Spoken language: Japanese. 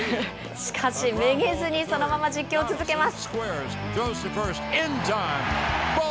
しかし、めげずにそのまま実況を続けます。